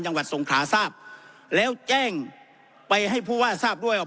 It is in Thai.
จังหวัดสงขลาทราบแล้วแจ้งไปให้ผู้ว่าทราบด้วยว่า